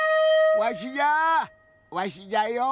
わしじゃあわしじゃよ。